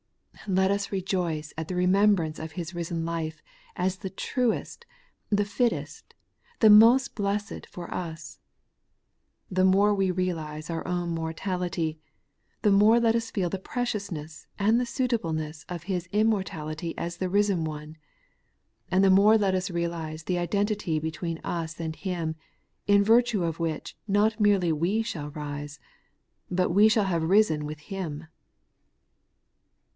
Let us rejoice at the remembrance of His risen life as the truest, the fittest, the most blessed for us. The more that we realize our own mortality, the more let us feel the preciousness and the suitable ness of His immortality as the risen One; and the more let us realize the identity between us and Him, in virtue of which not merely we shall rise, but we have risen with Hint 6.